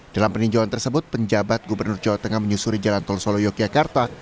dalam peninjauan tersebut penjabat gubernur jawa tengah menyusuri jalan tol solo yogyakarta